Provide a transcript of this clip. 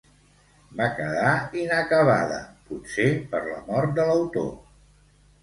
Va quedar inacabada, potser per la mort de l'autor.